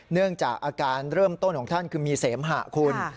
เนื่องจากอาการเริ่มต้นของท่านคือมีเสมหะคุณ